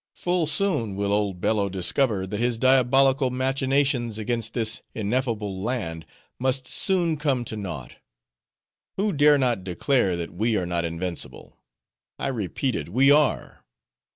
Full soon will old Bello discover that his diabolical machinations against this ineffable land must soon come to naught. Who dare not declare, that we are not invincible? I repeat it, we are.